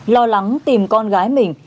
lo lắng tìm con gái mình